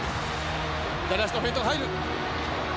左足のフェイントが入る。